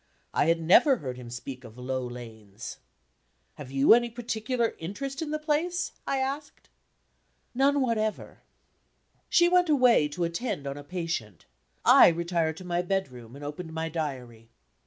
I had never heard him speak of Low Lanes. "Have you any particular interest in the place?" I asked. "None whatever." She went away to attend on a patient. I retired to my bedroom, and opened my Diary.